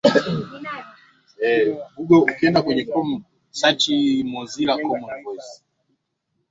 mwenyezi mungu ametumbariki nchi hii na amani